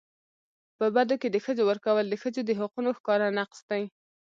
په بدو کي د ښځو ورکول د ښځو د حقونو ښکاره نقض دی.